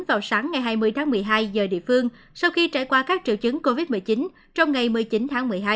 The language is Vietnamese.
vào sáng ngày hai mươi tháng một mươi hai giờ địa phương sau khi trải qua các triệu chứng covid một mươi chín trong ngày một mươi chín tháng một mươi hai